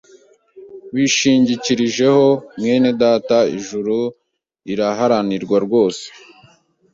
wishingikirijeho, mwene data ijuru riraharanirwa rwose